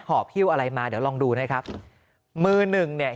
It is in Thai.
หอบฮิ้วอะไรมาเดี๋ยวลองดูนะครับมือหนึ่งเนี่ย